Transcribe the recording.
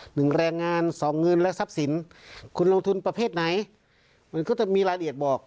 หนึ่งแรงงานสองเงินและทรัพย์สินคุณลงทุนประเภทไหนมันก็จะมีรายละเอียดบอก